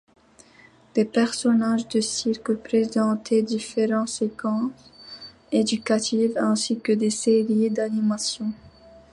Des personnages de cirque présentaient différentes séquences éducatives ainsi que des séries d'animation.